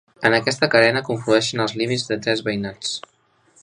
en aquesta carena conflueixen els límits de tres veïnats